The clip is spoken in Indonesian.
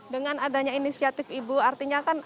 dengan adanya inisiatif ibu artinya kan